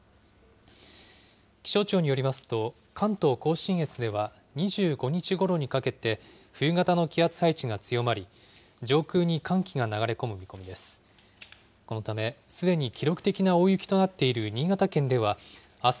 気象庁によりますと、関東甲信越では、２５日ごろにかけて冬型の気圧配置が強まり、上空に寒気が流れ込む見込みです。